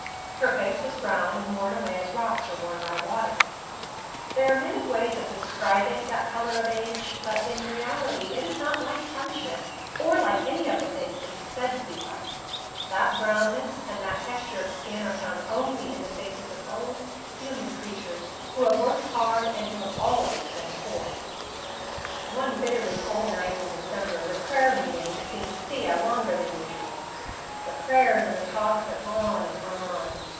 Her face was brown, and worn away as rocks are worn by water. There are many ways of describing that color of age, but in reality it is not like parchment, or like any of the things it is said to be like. That brownness and that texture of skin are found only in the faces of old human creatures, who have worked hard and who have always been poor. One bitterly cold night in December the prayer meeting seemed to Thea longer than usual. The prayers and the talks went on and on.